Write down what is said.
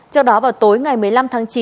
trước đó vào tối ngày một mươi năm tháng chín